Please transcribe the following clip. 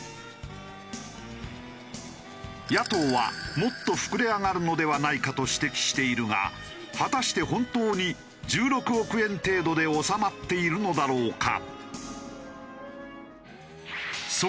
野党はもっと膨れ上がるのではないか？と指摘しているが果たして本当に１６億円程度で収まっているのだろうか？